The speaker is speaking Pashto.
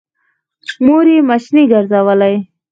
مور يې مېچنې ګرځولې